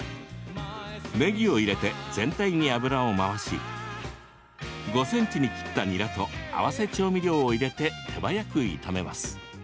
ねぎを入れて全体に油を回し５ｃｍに切ったニラと合わせ調味料を入れて手早く炒めます。